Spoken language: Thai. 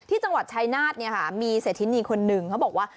ที่จังหวัดชายนาฏเนี่ยค่ะมีเศรษฐินีคนหนึ่งเขาบอกว่า